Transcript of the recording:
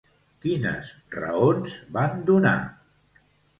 Quines raons van donar?